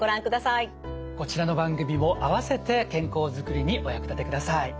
こちらの番組も併せて健康づくりにお役立てください。